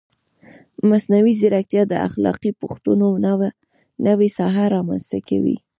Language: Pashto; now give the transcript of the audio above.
مصنوعي ځیرکتیا د اخلاقي پوښتنو نوې ساحه رامنځته کوي.